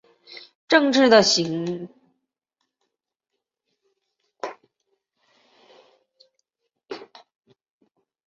政治的程序也是竞争性的。